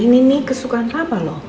ini nih kesukaan apa loh